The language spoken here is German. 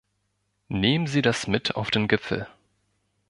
Nehmen Sie das mit auf den Gipfel.